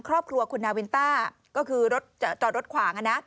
ครอบครัวคุณนาวินต้าก็คือรถจอดรถขวาง